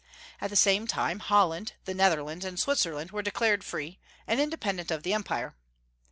At the same time Holland, the Netherlands, and Switzerland were declared free, and independent of the Empire.